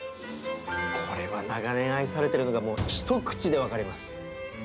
これは長年愛されてるのがもう、一口で分かります。